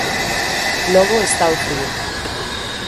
Logo está o frío.